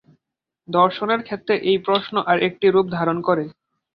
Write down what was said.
দর্শনের ক্ষেত্রে এই প্রশ্ন আর একটি রূপ ধারণ করে।